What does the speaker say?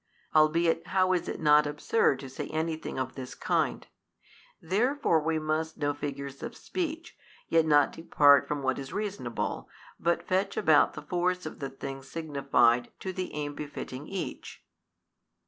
albeit how is it not absurd to say any thing of this kind? Therefore we must know figures of speech, yet not depart from what is reasonable, but fetch about the force of the things signified to the aim befitting each.